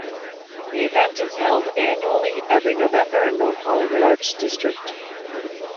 The event is held annually every November in North Hollywood Arts District.